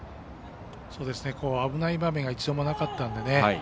危ない場面が一度もなかったんでね